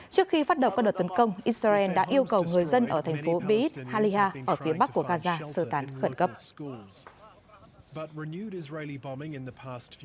trước khi phát đầu các đợt tấn công israel đã yêu cầu người dân ở thành phố be it halia ở phía bắc của gaza sơ tán khẩn cấp